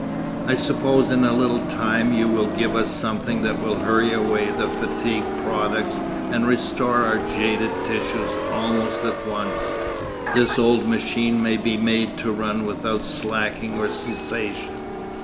I suppose in a little time you will give us something that will hurry away the fatigue products and restore our jaded tissues almost at once. This old machine may be made to run without slacking or cessation.